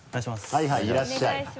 はいはいいらっしゃい。